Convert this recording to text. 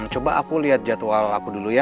coba aku lihat jadwal aku dulu ya